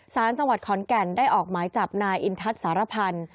สารจังหวัดขอนแก่นได้ออกหมายจับนายอินทัศน์สารพันธ์